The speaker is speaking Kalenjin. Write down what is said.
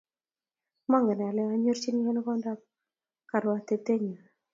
Mangen ale anyorchini ano kwondap karwatitennyu